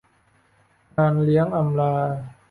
งานเลี้ยงอำลา